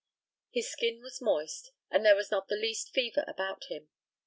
His skin was moist, and there was not the least fever about him.